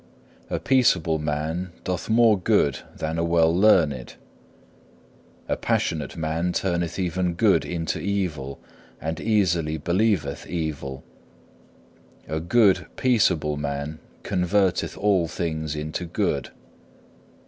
A peaceable man doth more good than a well learned. A passionate man turneth even good into evil and easily believeth evil; a good, peaceable man converteth all things into good.